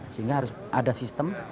sehingga harus ada sistem